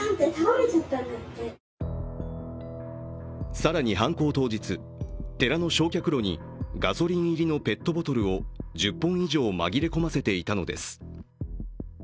更に犯行当日、寺の焼却炉にガソリン入りのペットボトルを１０本以上紛れ込ませていたのです。